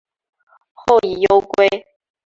后以忧归。